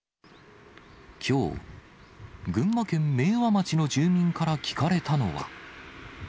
きょう、群馬県明和町の住民から聞かれたのは。